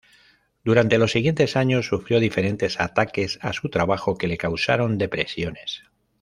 Durante los siguientes años, sufrió diferentes ataques a su trabajo que le causaron depresiones.